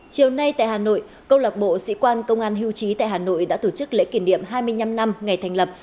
chiều nay tại hà nội câu lạc bộ sĩ quan công an hiêu chí tại hà nội đã tổ chức lễ kỷ niệm hai mươi năm năm ngày thành lập